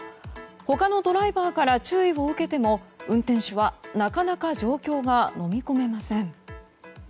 他のドライバーから注意を受けても運転手は、なかなか状況がのみ込めません。